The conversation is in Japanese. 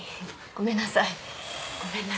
ごめんなさい。